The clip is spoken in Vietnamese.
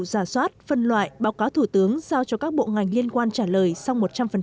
giả soát phân loại báo cáo thủ tướng giao cho các bộ ngành liên quan trả lời sau một trăm linh